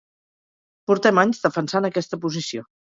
Portem anys defensant aquesta posició